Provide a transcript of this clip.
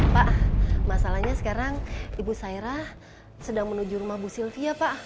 pak masalahnya sekarang ibu sairah sedang menuju rumah bu sylvia pak